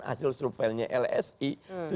hasil surveilnya lsi